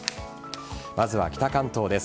まずは北関東です。